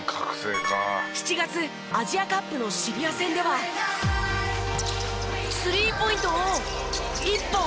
７月アジアカップのシリア戦ではスリーポイントを１本。